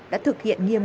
đã thực hiện nghiêm